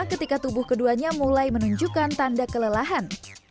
ketika tubuh keduanya mulai menunjukkan tanda kelelahan